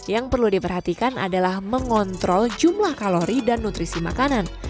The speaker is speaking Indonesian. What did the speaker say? yang perlu diperhatikan adalah mengontrol jumlah kalori dan nutrisi makanan